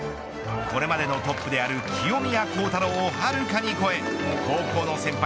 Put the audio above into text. これまでのトップである清宮幸太郎を、はるかに超え高校の先輩